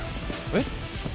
えっ！？